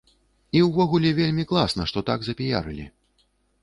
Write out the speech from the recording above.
І ўвогуле вельмі класна, што так запіярылі.